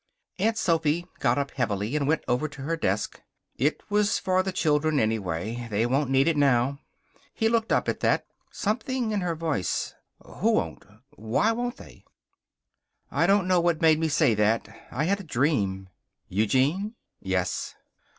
Aunt Sophy got up, heavily, and went over to her desk. "It was for the children, anyway. They won't need it now." He looked up at that. Something in her voice. "Who won't? Why won't they?" "I don't know what made me say that. I had a dream." "Eugene?" "Yes."